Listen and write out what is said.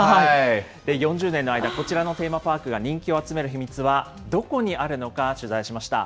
４０年の間、こちらのテーマパークが人気を集める秘密はどこにあるのか、取材しました。